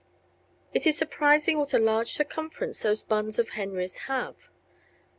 It is surprising what a large circumference those buns of Henry's have.